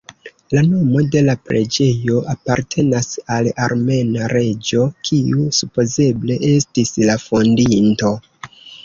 La nomo de la preĝejo apartenas al armena reĝo kiu supozeble estis la fondinto.